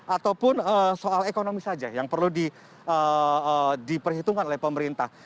ataupun soal ekonomi saja yang perlu diperhitungkan oleh pemerintah